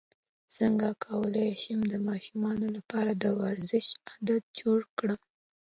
څنګه کولی شم د ماشومانو لپاره د ورزش عادت جوړ کړم